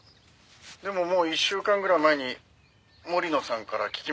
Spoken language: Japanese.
でももう１週間ぐらい前に森野さんから聞きましたよ」